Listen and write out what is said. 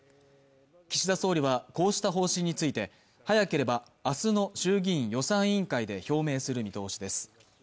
岸田総理はこうした方針について、早ければ明日の衆議院予算委員会で表明する見通しです。